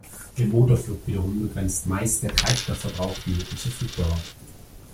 Im Motorflug wiederum begrenzt meist der Treibstoffverbrauch die mögliche Flugdauer.